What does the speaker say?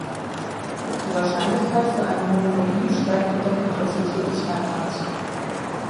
Die Wahrscheinlichkeit für eine Homologie steigt mit der Komplexität des Merkmals.